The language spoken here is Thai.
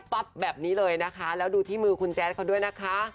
ปั๊บแบบนี้เลยนะคะแล้วดูที่มือคุณแจ๊ดเขาด้วยนะคะ